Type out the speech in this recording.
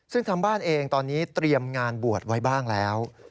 ซึ่งทางบ้านเองตอนนี้เตรียมงานบวชไว้บ้างแล้ว